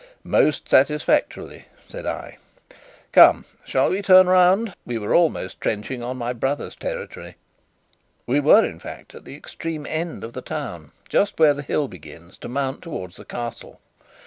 "Most satisfactorily," said I. "Come, shall we turn round? We are almost trenching on my brother's territory." We were, in fact, at the extreme end of the town, just where the hills begin to mount towards the Castle.